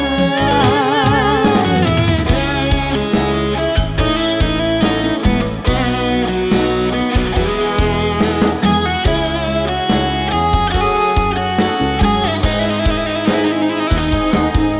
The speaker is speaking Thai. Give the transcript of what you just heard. เพลง